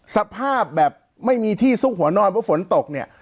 สภาพแบบไม่มีที่ซุกหัวนอนเพราะฝนตกเนี่ย